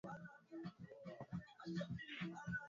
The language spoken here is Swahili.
Bana nipeleka katebi